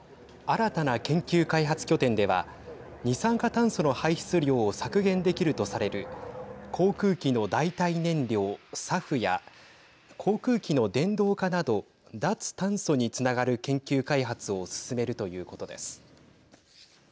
新たな研究開発拠点では二酸化炭素の排出量を削減できるとされる航空機の代替燃料、ＳＡＦや航空機の電動化など脱炭素につながる研究開発を進めるということです。